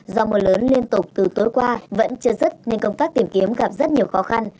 do mưa lớn liên tục từ tối qua vẫn chưa dứt nên công tác tìm kiếm gặp rất nhiều khó khăn